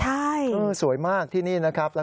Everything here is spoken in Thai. ใช่ฮะอย่างนี้สวยมากที่นี่นะครับแล้ว